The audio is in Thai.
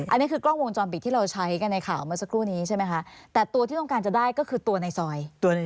อันนี้คือกล้องวงจรปิดที่เราใช้กันในข่าวเมื่อสักครู่นี้ใช่ไหมคะแต่ตัวที่ต้องการจะได้ก็คือตัวในซอยตัวหนึ่ง